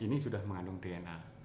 ini sudah mengandung dna